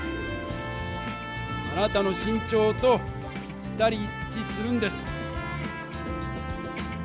あなたの身長とぴったり一ちするんです！